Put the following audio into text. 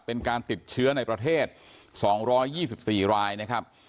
เป็นการติดเชื้อในประเทศ๒๒๔รายนะครับ